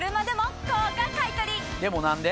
でも何で？